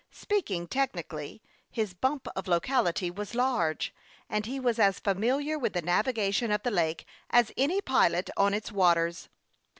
Speaking technically, his bump of locality was large, and he was as familiar with the navigation of the lake as any pilot on its waters.